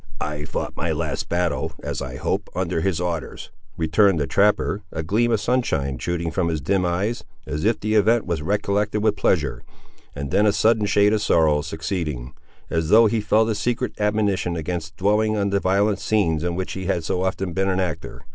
"I fou't my last battle, as I hope, under his orders," returned the trapper, a gleam of sunshine shooting from his dim eyes, as if the event was recollected with pleasure, and then a sudden shade of sorrow succeeding, as though he felt a secret admonition against dwelling on the violent scenes in which he had so often been an actor.